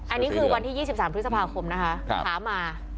อันนี้คือวันที่๒๓พฤษภาคมนะคะถามมา